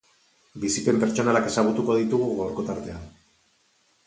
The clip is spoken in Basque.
Bizipen pertsonalak ezagutuko ditugu gaurko tartean.